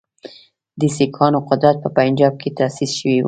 د سیکهانو قدرت په پنجاب کې تاسیس شوی وو.